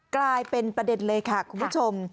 กลายเป็นประเด็นเลยค่ะคุณผู้ชม